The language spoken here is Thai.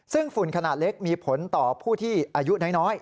ซึ่งฝุ่นขนาดเล็กมีผลต่อผู้ที่อายุน้อย